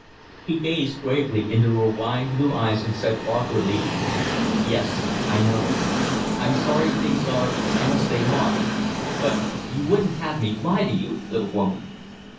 He gazed gravely into her wide blue eyes and said, awkwardly: "Yes, I know. I'm sorry things are as they are but you wouldn't have me lie to you, little woman?"